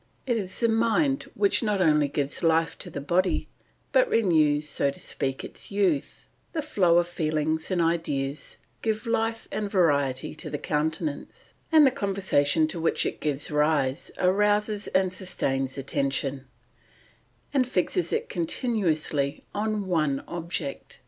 It is the mind which not only gives life to the body, but renews, so to speak, its youth; the flow of feelings and ideas give life and variety to the countenance, and the conversation to which it gives rise arouses and sustains attention, and fixes it continuously on one object.